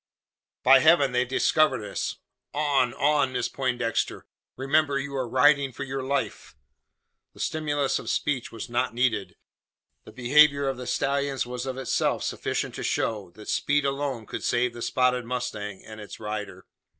"By heaven they've discovered us! On on! Miss Poindexter! Remember you are riding for your life!" The stimulus of speech was not needed. The behaviour of the stallions was of itself sufficient to show, that speed alone could save the spotted mustang and its rider.